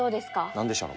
何でしょう？